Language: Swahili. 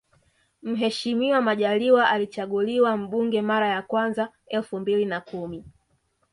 Mheshimiwa Majaliwa alichaguliwa mbunge mara ya kwanza elfu mbili na kumi